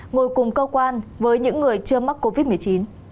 ngồi cùng cơ quan với những người chưa mắc covid một mươi chín